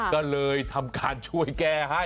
ก็เลยทำการช่วยแก้ให้